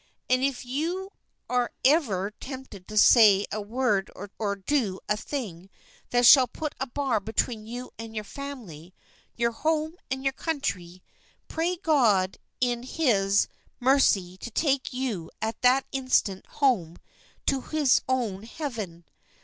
And if you are ever tempted to say a word or do a thing that shall put a bar between you and your family, your home, and your country, pray God in His mercy to take you that instant home to His own heaven.